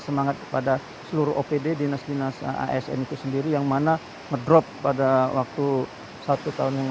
semangat kepada seluruh opd dinas dinas asn itu sendiri yang mana ngedrop pada waktu satu tahun yang